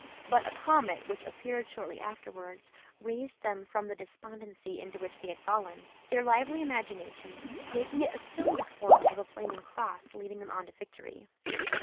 But a comet which appeared shortly afterwards raised them from the despondency into which they had fallen; their lively imaginations making it assume the form of a flaming cross leading them on to victory.